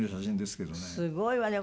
すごいわね。